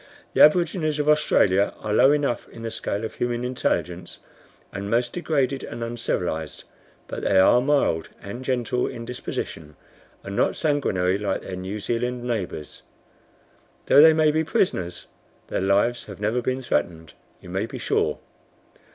"The aborigines of Australia are low enough in the scale of human intelligence, and most degraded and uncivilized, but they are mild and gentle in disposition, and not sanguinary like their New Zealand neighbors. Though they may be prisoners, their lives have never been threatened, you may be sure.